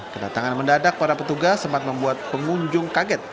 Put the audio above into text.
kedatangan mendadak para petugas sempat membuat pengunjung kaget